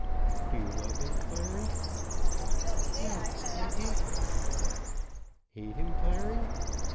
"Do you love him, Clary?" "No. I hate him." "Hate him, Clary?